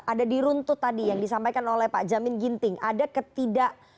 ada di runtut tadi yang disampaikan oleh pak jamin ginting ada ketidak